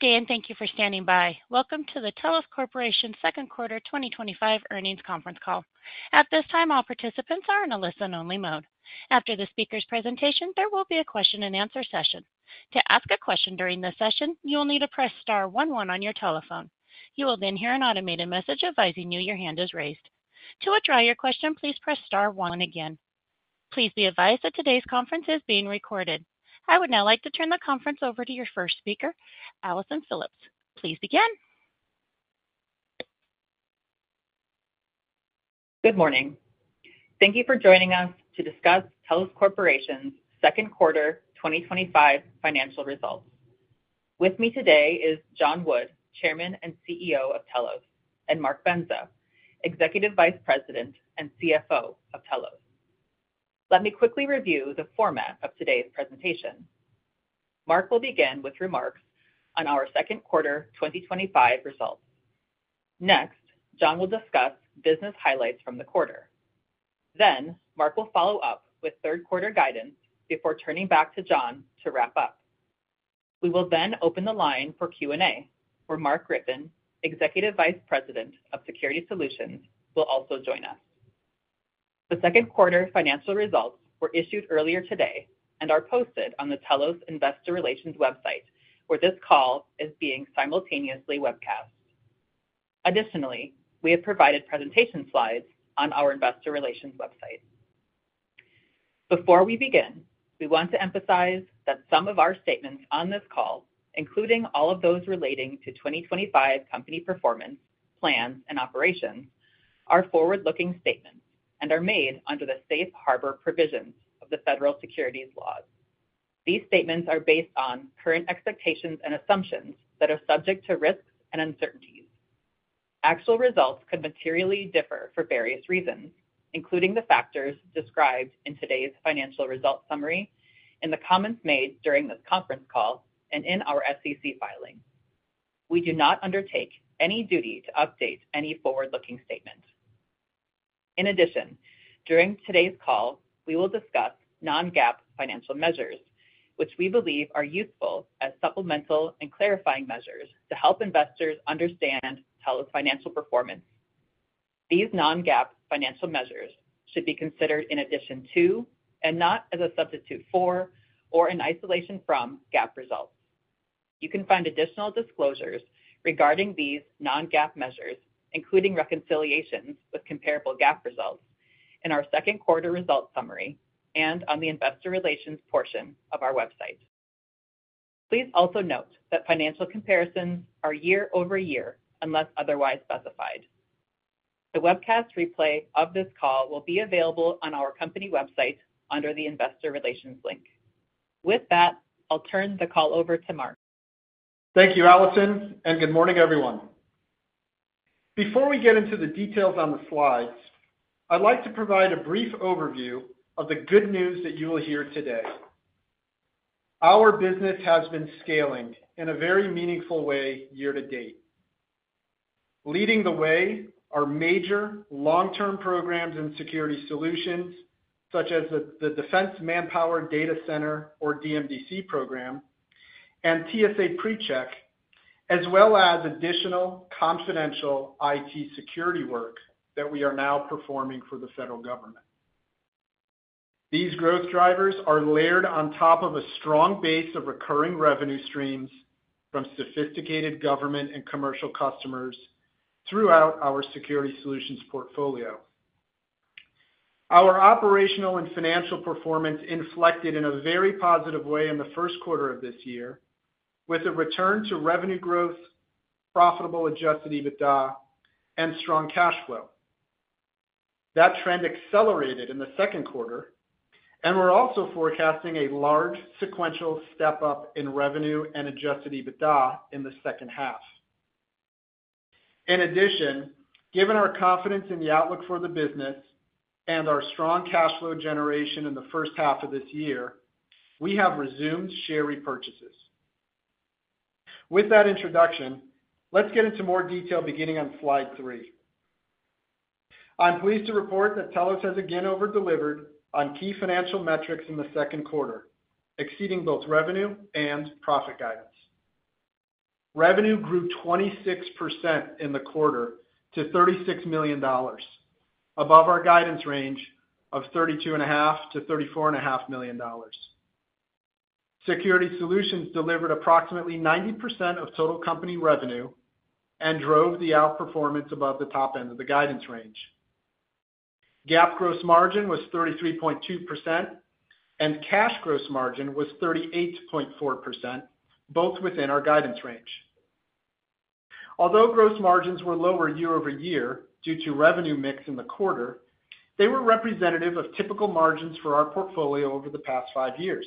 Thank you for standing by. Welcome to the Telos Corporation's Second Quarter 2025 Earnings Conference Ccall. At this time, all participants are in a listen-only mode. After the speaker's presentation, there will be a question and answer session. To ask a question during this session, you will need to press star one one on your telephone. You will then hear an automated message advising you your hand is raised. To withdraw your question, please press star one one again. Please be advised that today's conference is being recorded. I would now like to turn the conference over to your first speaker, Allison Phillipp. Please begin. Good morning. Thank you for joining us to discuss Telos Corporation's Second Quarter 2025 Financial Results. With me today is John Wood, Chairman and CEO of Telos, and Mark Bendza, Executive Vice President and CFO of Telos. Let me quickly review the format of today's presentation. Mark will begin with remarks on our second quarter 2025 results. Next, John will discuss business highlights from the quarter. Mark will follow up with third quarter guidance before turning back to John to wrap up. We will then open the line for Q&A, where Mark Griffin, Executive Vice President of Security Solutions, will also join us. The second quarter financial results were issued earlier today and are posted on the Telos Investor Relations website, where this call is being simultaneously webcast. Additionally, we have provided presentation slides on our Investor Relations website. Before we begin, we want to emphasize that some of our statements on this call, including all of those relating to 2025 company performance, plans, and operations, are forward-looking statements and are made under the Safe Harbor provisions of the Federal Securities Laws. These statements are based on current expectations and assumptions that are subject to risks and uncertainties. Actual results could materially differ for various reasons, including the factors described in today's financial results summary, in the comments made during this conference call, and in our SEC filing. We do not undertake any duty to update any forward-looking statement. In addition, during today's call, we will discuss non-GAAP financial measures, which we believe are useful as supplemental and clarifying measures to help investors understand Telos' financial performance. These non-GAAP financial measures should be considered in addition to, and not as a substitute for, or in isolation from GAAP results. You can find additional disclosures regarding these non-GAAP measures, including reconciliations with comparable GAAP results, in our second quarter results summary and on the Investor Relations portion of our website. Please also note that financial comparisons are year over year unless otherwise specified. The webcast replay of this call will be available on our company website under the Investor Relations link. With that, I'll turn the call over to Mark. Thank you, Allison, and good morning, everyone. Before we get into the details on the slides, I'd like to provide a brief overview of the good news that you will hear today. Our business has been scaling in a very meaningful way year to date, leading the way are major long-term programs in security solutions, such as the Defense Manpower Data Center, or DMDC program, and TSA PreCheck, as well as additional confidential IT security work that we are now performing for the federal government. These growth drivers are layered on top of a strong base of recurring revenue streams from sophisticated government and commercial customers throughout our security solutions portfolio. Our operational and financial performance inflected in a very positive way in the first quarter of this year, with a return to revenue growth, profitable adjusted EBITDA, and strong cash flow. That trend accelerated in the second quarter, and we're also forecasting a large sequential step-up in revenue and adjusted EBITDA in the second half. In addition, given our confidence in the outlook for the business and our strong cash flow generation in the first half of this year, we have resumed share repurchases. With that introduction, let's get into more detail beginning on slide three. I'm pleased to report that Telos has again overdelivered on key financial metrics in the second quarter, exceeding both revenue and profit guidance. Revenue grew 26% in the quarter to $36 million, above our guidance range of $32.5 million-$34.5 million. Security solutions delivered approximately 90% of total company revenue and drove the outperformance above the top end of the guidance range. GAAP gross margin was 33.2%, and cash gross margin was 38.4%, both within our guidance range. Although gross margins were lower year over year due to revenue mix in the quarter, they were representative of typical margins for our portfolio over the past five years.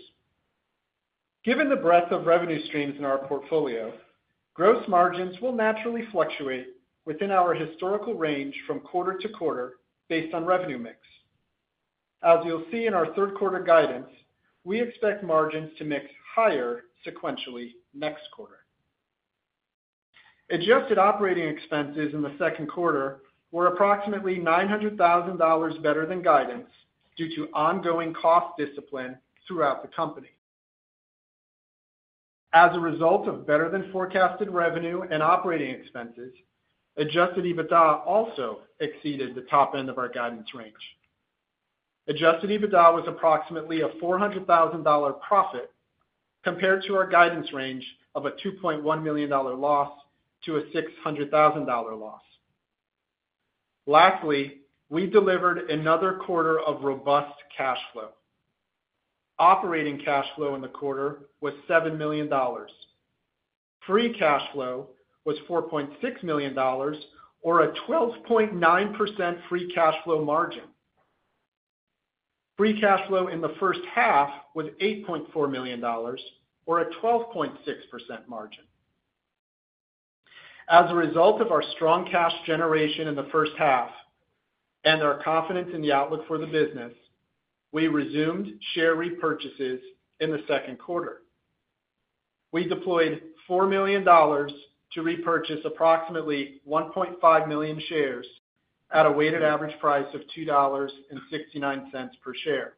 Given the breadth of revenue streams in our portfolio, gross margins will naturally fluctuate within our historical range from quarter to quarter based on revenue mix. As you'll see in our third quarter guidance, we expect margins to mix higher sequentially next quarter. Adjusted operating expenses in the second quarter were approximately $900,000 better than guidance due to ongoing cost discipline throughout the company. As a result of better than forecasted revenue and operating expenses, adjusted EBITDA also exceeded the top end of our guidance range. Adjusted EBITDA was approximately a $400,000 profit compared to our guidance range of a $2.1 million loss to a $600,000 loss. Lastly, we delivered another quarter of robust cash flow. Operating cash flow in the quarter was $7 million. Free cash flow was $4.6 million, or a 12.9% free cash flow margin. Free cash flow in the first half was $8.4 million, or a 12.6% margin. As a result of our strong cash generation in the first half and our confidence in the outlook for the business, we resumed share repurchases in the second quarter. We deployed $4 million to repurchase approximately 1.5 million shares at a weighted average price of $2.69 per share.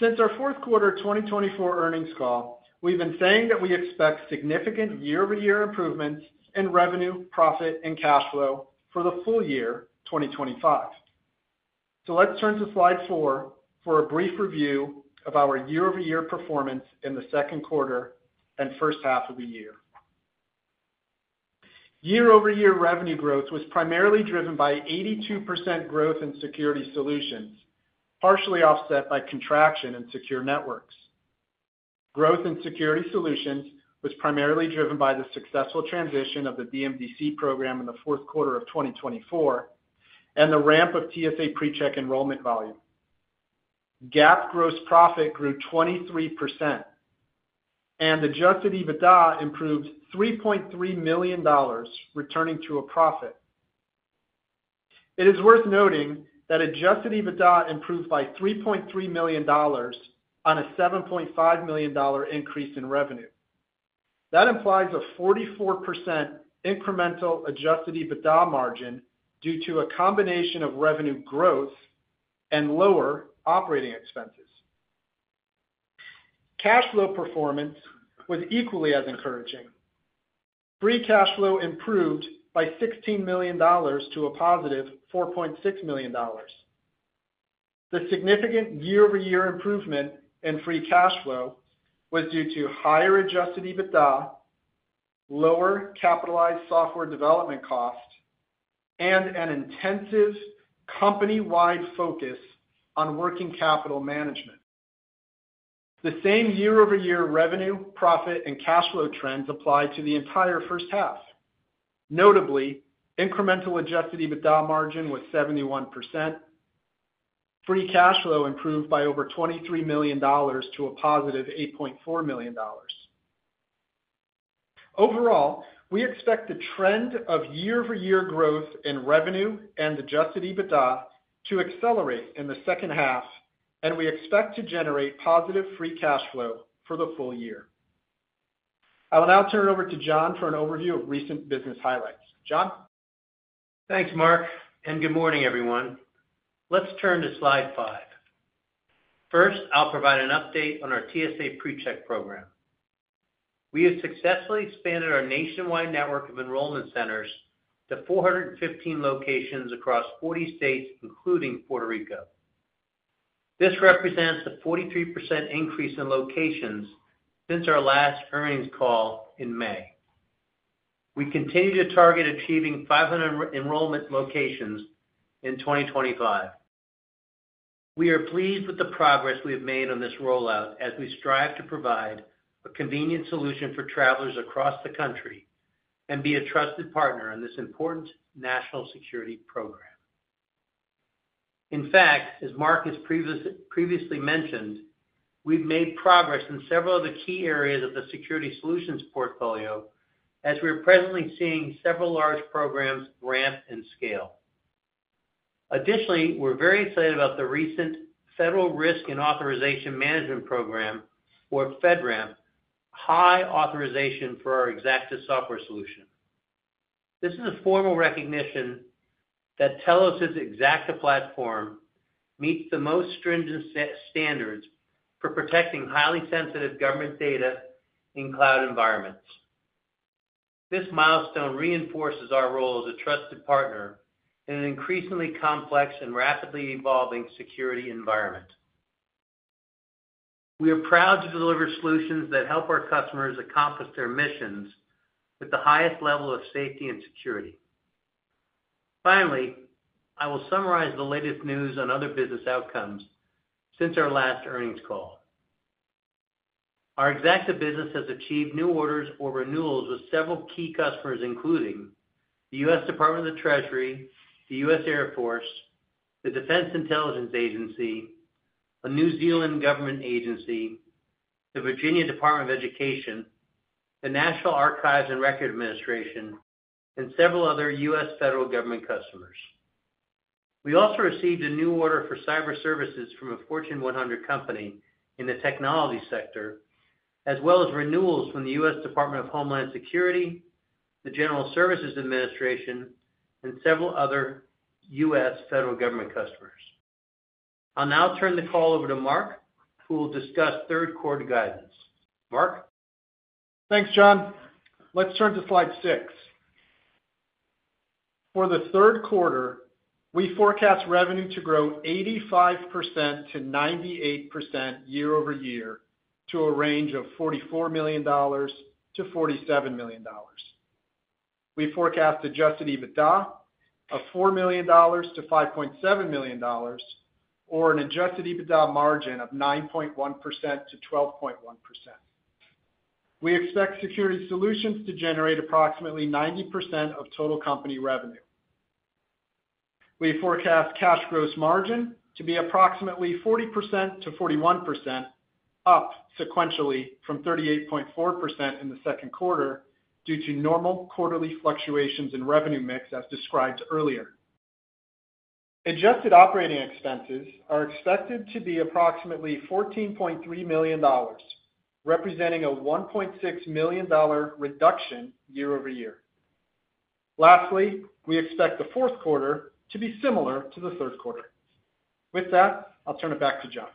Since our fourth quarter 2024 earnings call, we've been saying that we expect significant year-over-year improvements in revenue, profit, and cash flow for the full year 2025. Let's turn to slide four for a brief review of our year-over-year performance in the second quarter and first half of the year. Year-over-year revenue growth was primarily driven by 82% growth in security solutions, partially offset by contraction in secure networks. Growth in security solutions was primarily driven by the successful transition of the DMDC program in the fourth quarter of 2024 and the ramp of TSA PreCheck enrollment volume. GAAP gross profit grew 23%, and adjusted EBITDA improved $3.3 million, returning to a profit. It is worth noting that adjusted EBITDA improved by $3.3 million on a $7.5 million increase in revenue. That implies a 44% incremental adjusted EBITDA margin due to a combination of revenue growth and lower operating expenses. Cash flow performance was equally as encouraging. Free cash flow improved by $16 million to a +$4.6 million. The significant year-over-year improvement in free cash flow was due to higher adjusted EBITDA, lower capitalized software development cost, and an intensive company-wide focus on working capital management. The same year-over-year revenue, profit, and cash flow trends applied to the entire first half. Notably, incremental adjusted EBITDA margin was 71%. Free cash flow improved by over $23 million to a +$8.4 million. Overall, we expect the trend of year-over-year growth in revenue and adjusted EBITDA to accelerate in the second half, and we expect to generate positive free cash flow for the full year. I will now turn it over to John for an overview of recent business highlights. John? Thanks, Mark, and good morning, everyone. Let's turn to slide five. First, I'll provide an update on our TSA PreCheck program. We have successfully expanded our nationwide network of enrollment centers to 415 locations across 40 states, including Puerto Rico. This represents a 43% increase in locations since our last earnings call in May. We continue to target achieving 500 enrollment locations in 2025. We are pleased with the progress we have made on this rollout as we strive to provide a convenient solution for travelers across the country and be a trusted partner in this important national security program. In fact, as Mark has previously mentioned, we've made progress in several of the key areas of the security solutions portfolio as we're presently seeing several large programs ramp and scale. Additionally, we're very excited about the recent FedRAMP High authorization for our Xacta software solution. This is a formal recognition that Telos's Xacta software platform meets the most stringent standards for protecting highly sensitive government data in cloud environments. This milestone reinforces our role as a trusted partner in an increasingly complex and rapidly evolving security environment. We are proud to deliver solutions that help our customers accomplish their missions with the highest level of safety and security. Finally, I will summarize the latest news on other business outcomes since our last earnings call. Our Xacta software business has achieved new orders or renewals with several key customers, including the US Department of the Treasury, the US Air Force, the Defense Intelligence Agency, a New Zealand government agency, the Virginia Department of Education, the National Archives and Records Administration, and several other US federal government customers. We also received a new order for cyber services from a Fortune 100 technology company, as well as renewals from the US Department of Homeland Security, the General Services Administration, and several other US federal government customers. I'll now turn the call over to Mark, who will discuss third quarter guidance. Mark? Thanks, John. Let's turn to slide six. For the third quarter, we forecast revenue to grow 85%-98% year-over-year to a range of $44 million-$47 million. We forecast adjusted EBITDA of $4 million-$5.7 million, or an adjusted EBITDA margin of 9.1%-12.1%. We expect security solutions to generate approximately 90% of total company revenue. We forecast cash gross margin to be approximately 40%-41%, up sequentially from 38.4% in the second quarter due to normal quarterly fluctuations in revenue mix as described earlier. Adjusted operating expenses are expected to be approximately $14.3 million, representing a $1.6 million reduction year over year. Lastly, we expect the fourth quarter to be similar to the third quarter. With that, I'll turn it back to John.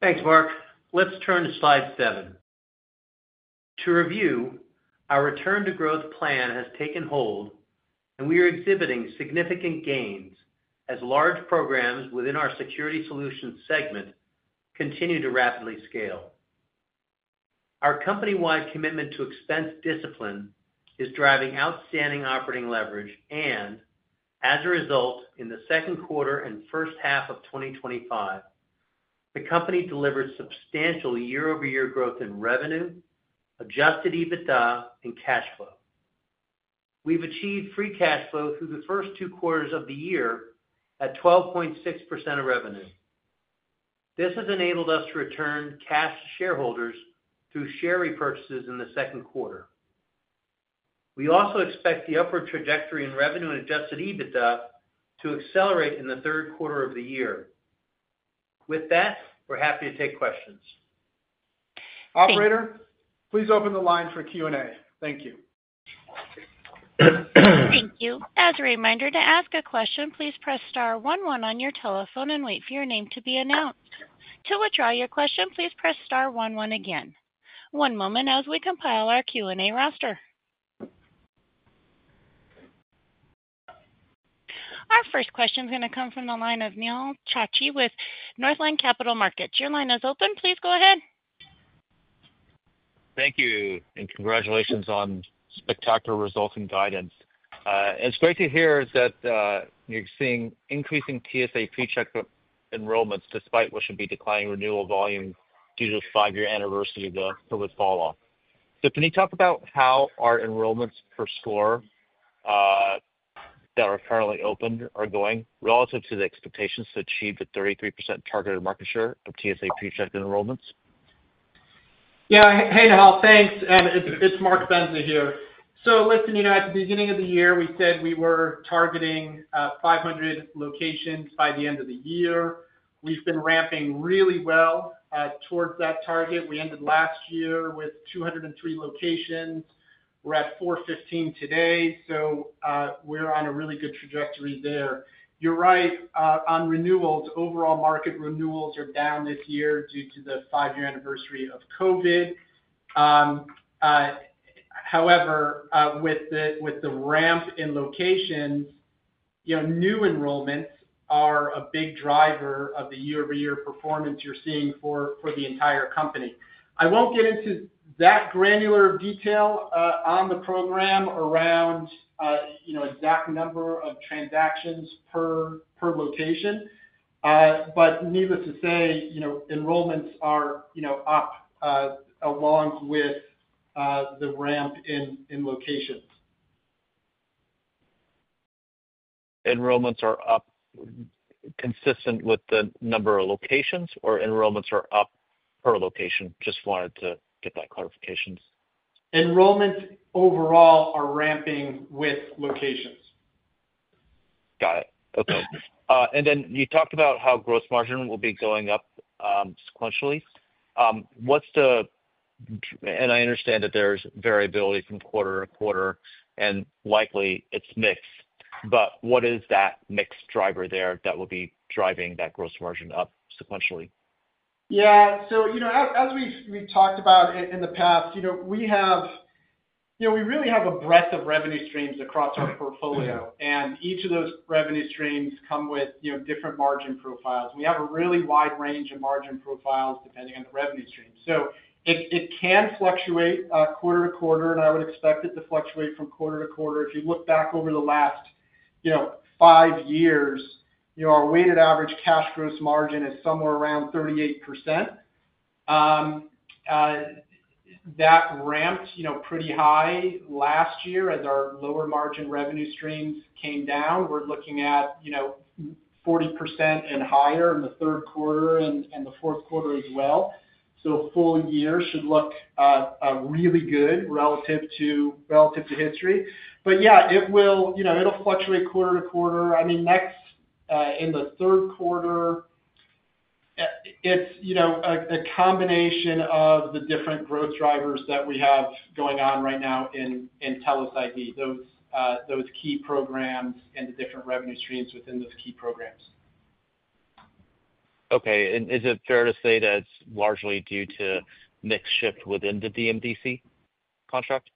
Thanks, Mark. Let's turn to slide seven. To review, our return to growth plan has taken hold, and we are exhibiting significant gains as large programs within our security solutions segment continue to rapidly scale. Our company-wide commitment to expense discipline is driving outstanding operating leverage, and as a result, in the second quarter and first half of 2025, the company delivers substantial year-over-year growth in revenue, adjusted EBITDA, and cash flow. We've achieved free cash flow through the first two quarters of the year at 12.6% of revenue. This has enabled us to return cash to shareholders through share repurchases in the second quarter. We also expect the upward trajectory in revenue and adjusted EBITDA to accelerate in the third quarter of the year. With that, we're happy to take questions. Operator, please open the line for Q&A. Thank you. Thank you. As a reminder, to ask a question, please press star one one on your telephone and wait for your name to be announced. To withdraw your question, please press star one one again. One moment as we compile our Q&A roster. Our first question is going to come from the line of Nehal Chokshi with Northland Capital Markets. Your line is open. Please go ahead. Thank you, and congratulations on spectacular results and guidance. It's great to hear that you're seeing increasing TSA PreCheck enrollments despite what should be declining renewal volume due to the five-year anniversary of the COVID falloff. Can you talk about how our enrollments per store that are currently opened are going relative to the expectations to achieve the 33% targeted market share of TSA PreCheck enrollments? Yeah, hey Nehal, thanks, and it's Mark Bendza here. At the beginning of the year, we said we were targeting 500 locations by the end of the year. We've been ramping really well towards that target. We ended last year with 203 locations. We're at 415 today, so we're on a really good trajectory there. You're right on renewals. Overall market renewals are down this year due to the five-year anniversary of COVID. However, with the ramp in location, new enrollments are a big driver of the year-over-year performance you're seeing for the entire company. I won't get into that granular detail on the program around exact number of transactions per location, but needless to say, enrollments are up along with the ramp in locations. Enrollments are up consistent with the number of locations, or enrollments are up per location? Just wanted to get that clarification. Enrollments overall are ramping with locations. Got it. Okay. You talked about how gross margin will be going up sequentially. I understand that there's variability from quarter to quarter, and likely it's mixed, but what is that mixed driver there that will be driving that gross margin up sequentially? As we've talked about in the past, we really have a breadth of revenue streams across our portfolio, and each of those revenue streams comes with different margin profiles. We have a really wide range of margin profiles depending on the revenue stream. It can fluctuate quarter to quarter, and I would expect it to fluctuate from quarter to quarter. If you look back over the last five years, our weighted average cash gross margin is somewhere around 38%. That ramped pretty high last year as our lower margin revenue streams came down. We're looking at 40% and higher in the third quarter and the fourth quarter as well. A full year should look really good relative to history. It will fluctuate quarter to quarter. Next in the third quarter, it's a combination of the different growth drivers that we have going on right now in Telos IT, those key programs, and the different revenue streams within those key programs. Okay, is it fair to say that it's largely due to the next shift within the DMDC contract?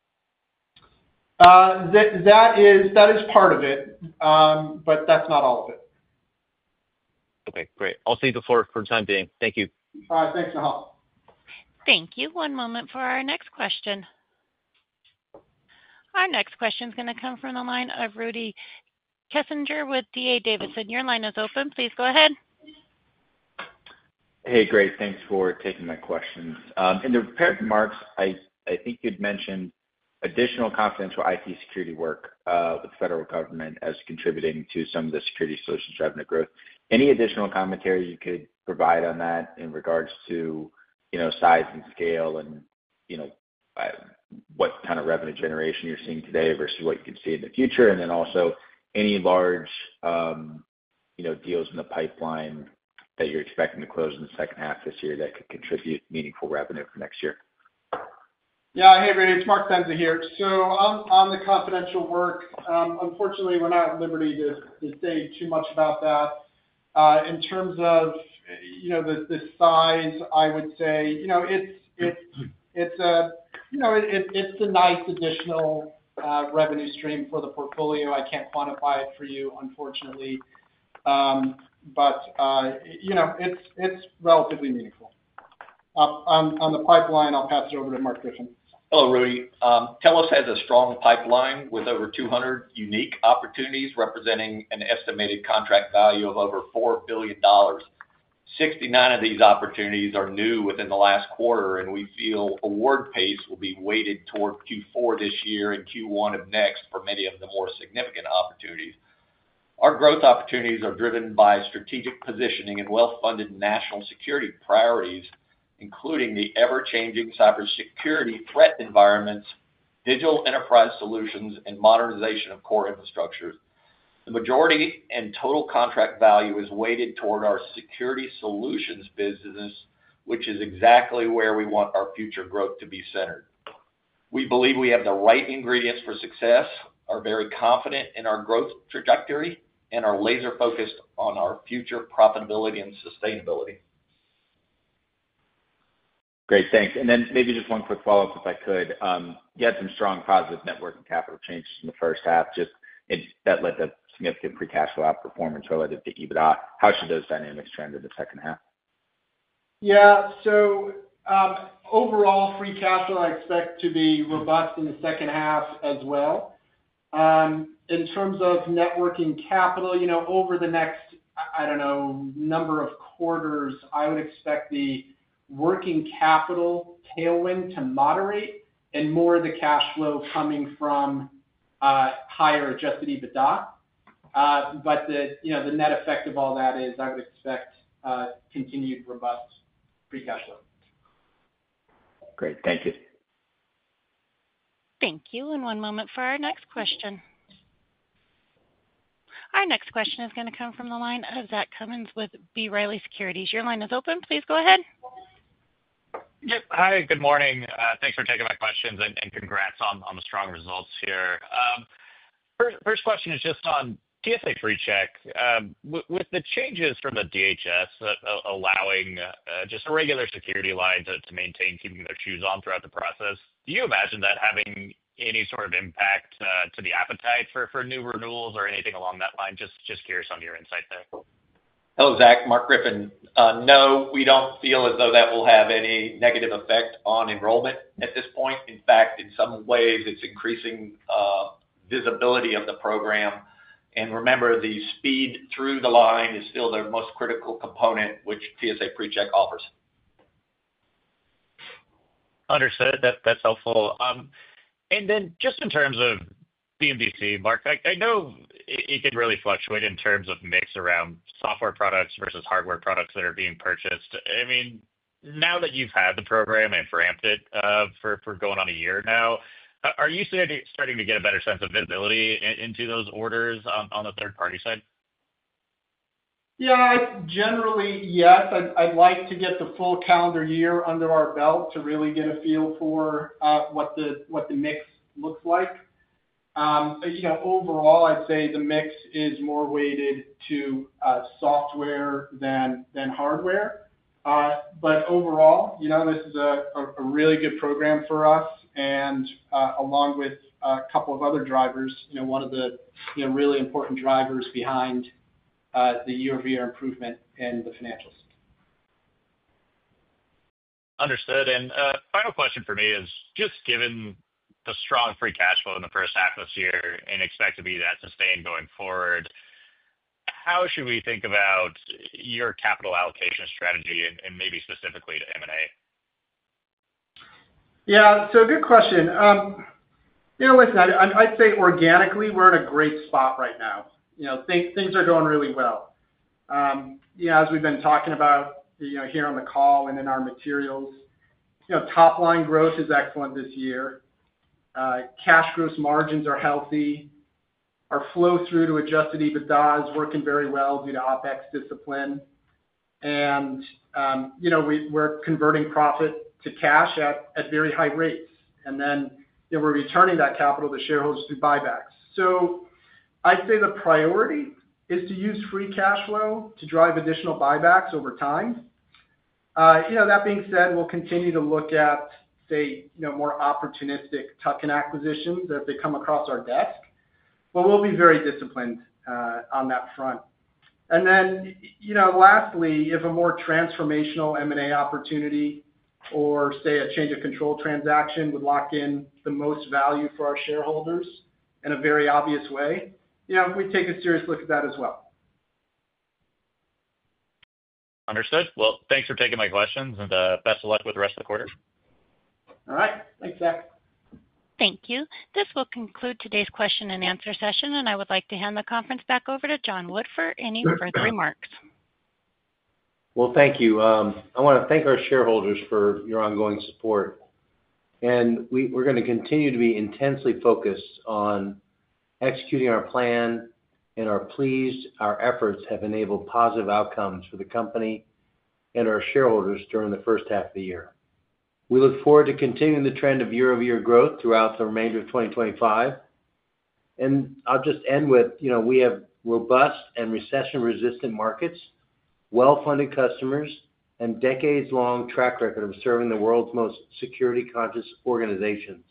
That is part of it, but that's not all of it. Okay, great. I'll save the floor for the time being. Thank you. All right, thanks, Nehal. Thank you. One moment for our next question. Our next question is going to come from the line of Rudy Kessinger with D.A. Davidson. Your line is open. Please go ahead. Hey, great. Thanks for taking that question. In the prepared remarks, I think you'd mentioned additional confidential IT security work of the federal government as contributing to some of the security solutions revenue growth. Any additional commentary you could provide on that in regards to, you know, size and scale and, you know, what kind of revenue generation you're seeing today versus what you could see in the future? Also, any large, you know, deals in the pipeline that you're expecting to close in the second half of this year that could contribute meaningful revenue for next year? Yeah, hey Rudy, it's Mark Bendza here. On the confidential work, unfortunately, we're not at liberty to say too much about that. In terms of the size, I would say it's a nice additional revenue stream for the portfolio. I can't quantify it for you, unfortunately, but it's relatively meaningful. On the pipeline, I'll pass it over to Mark Griffin. Oh, Rudy, Telos has a strong pipeline with over 200 unique opportunities representing an estimated contract value of over $4 billion. 69 of these opportunities are new within the last quarter, and we feel award pace will be weighted toward Q4 this year and Q1 of next for many of the more significant opportunities. Our growth opportunities are driven by strategic positioning and well-funded national security priorities, including the ever-changing cybersecurity threat environments, digital enterprise solutions, and modernization of core infrastructure. The majority and total contract value is weighted toward our security solutions business, which is exactly where we want our future growth to be centered. We believe we have the right ingredients for success, are very confident in our growth trajectory, and are laser-focused on our future profitability and sustainability. Great, thanks. Maybe just one quick follow-up if I could. You had some strong positive network and capital changes in the first half that led to significant free cash flow outperformance related to EBITDA. How should those dynamics trend in the second half? Yeah, so overall free cash flow I expect to be robust in the second half as well. In terms of working capital, you know, over the next, I don't know, number of quarters, I would expect the working capital tailwind to moderate and more of the cash flow coming from higher adjusted EBITDA. The net effect of all that is I would expect continued robust free cash flow. Great, thank you. Thank you. One moment for our next question. Our next question is going to come from the line of Zach Cummins with B. Riley Securities. Your line is open. Please go ahead. Hi, good morning. Thanks for taking my questions and congrats on the strong results here. First question is just on TSA PreCheck. With the changes from the US Department of Homeland Security allowing just a regular security line to maintain keeping their shoes on throughout the process, do you imagine that having any sort of impact to the appetite for new renewals or anything along that line? Just curious on your insight there. Hello, Zach. Mark Griffin. No, we don't feel as though that will have any negative effect on enrollment at this point. In fact, in some ways, it's increasing visibility of the program. Remember, the speed through the line is still the most critical component which TSA PreCheck offers. Understood. That's helpful. In terms of DMDC, Mark, I know it can really fluctuate in terms of mix around software products versus hardware products that are being purchased. Now that you've had the program and ramped it for going on a year, are you starting to get a better sense of visibility into those orders on the third-party side? Yeah, generally, yes. I'd like to get the full calendar year under our belt to really get a feel for what the mix looks like. Overall, I'd say the mix is more weighted to software than hardware. Overall, this is a really good program for us, along with a couple of other drivers, one of the really important drivers behind the year-over-year improvement in the financials. Understood. Final question for me is, just given the strong free cash flow in the first half of this year and expect to be that sustained going forward, how should we think about your capital allocation strategy and maybe specifically to M&A? Yeah, good question. I'd say organically, we're in a great spot right now. Things are going really well. As we've been talking about here on the call and in our materials, top line growth is excellent this year. Cash gross margins are healthy. Our flow through to adjusted EBITDA is working very well due to OpEx discipline, and we're converting profit to cash at very high rates. We're returning that capital to shareholders through buybacks. I'd say the priority is to use free cash flow to drive additional buybacks over time. That being said, we'll continue to look at more opportunistic tuck-in acquisitions as they come across our desk. We'll be very disciplined on that front. Lastly, if a more transformational M&A opportunity or a change of control transaction would lock in the most value for our shareholders in a very obvious way, we'd take a serious look at that as well. Understood. Thanks for taking my questions, and best of luck with the rest of the quarter. All right. Thanks, Zach. Thank you. This will conclude today's question-and-answer session, and I would like to hand the conference back over to John Wood for any further remarks. Thank you. I want to thank our shareholders for your ongoing support. We're going to continue to be intensely focused on executing our plan, and we're pleased our efforts have enabled positive outcomes for the company and our shareholders during the first half of the year. We look forward to continuing the trend of year-over-year growth throughout the remainder of 2025. I'll just end with, you know, we have robust and recession-resistant markets, well-funded customers, and a decades-long track record of serving the world's most security-conscious organizations.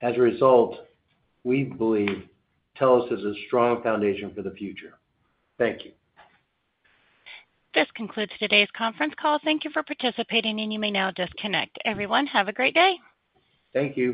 As a result, we believe Telos has a strong foundation for the future. Thank you. This concludes today's conference call. Thank you for participating, and you may now disconnect. Everyone, have a great day. Thank you.